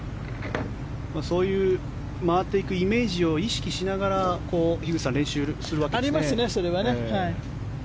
そういう回っていくイメージを意識しながら練習するわけですね。ありますね、それはね。